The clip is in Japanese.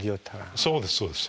そうですそうです。